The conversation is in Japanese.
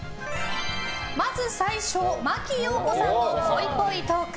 まず最初、真木よう子さんのぽいぽいトーク。